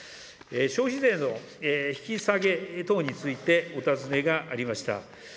消費税の引き下げ等についてお尋ねがありました。